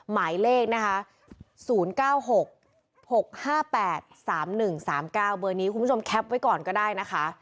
หมายเลขนะคะ๐๙๖๖๕๘๓๑๓๙เบอร์นี้คุณผู้ชมแคปไว้ก่อนก็ได้นะคะ